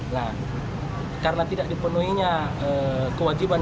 nah karena tidak dipenuhinya kewajiban